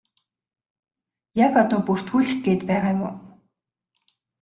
Яг одоо бүртгүүлэх гээд байгаа юм уу?